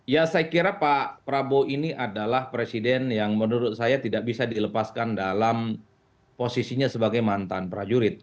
ya saya kira pak prabowo ini adalah presiden yang menurut saya tidak bisa dilepaskan dalam posisinya sebagai mantan prajurit